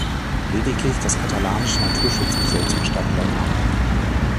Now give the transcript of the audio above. Lediglich das katalanische Naturschutzgesetz bestand länger.